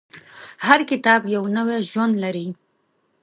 هر کتاب یو نوی ژوند لري.